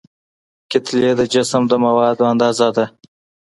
کتلې د جسم د موادو اندازه ده.